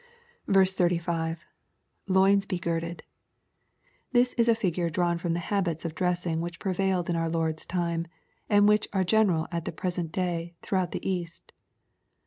35. — [Loins he girded.] This is a figure drawn fi:om the habits of dressing which prevailed in our Lord's time, and which are gene ral at the present day throughout the East.